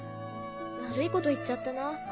悪いこと言っちゃったな。